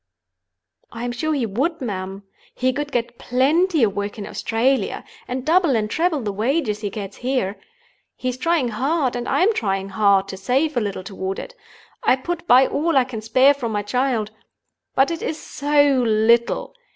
"I am sure he would, ma'am. He could get plenty of work in Australia, and double and treble the wages he gets here. He is trying hard, and I am trying hard, to save a little toward it—I put by all I can spare from my child. But it is so little!